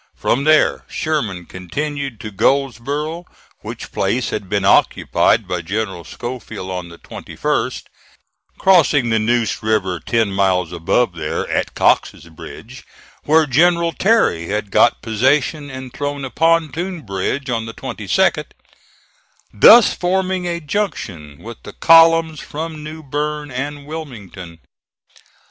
From there Sherman continued to Goldsboro', which place had been occupied by General Schofield on the 21st (crossing the Neuse River ten miles above there, at Cox's Bridge, where General Terry had got possession and thrown a pontoon bridge on the 22d), thus forming a junction with the columns from New Bern and Wilmington.